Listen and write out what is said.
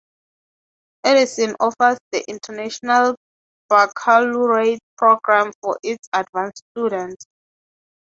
Edison offers the International Baccalaureate program for its advanced students.